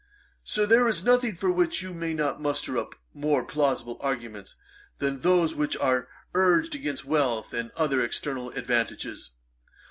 Sir, there is nothing for which you may not muster up more plausible arguments, than those which are urged against wealth and other external advantages.